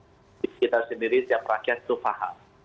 salah untuk memastikan kita sendiri setiap rakyat itu paham